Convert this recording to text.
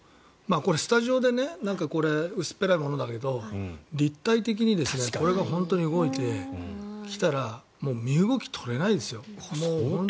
これ、スタジオで薄っぺらいものだけど立体的にこれが動いてきたら身動きが取れないですよ。